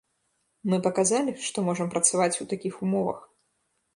Мы паказалі, што можам працаваць у такіх умовах.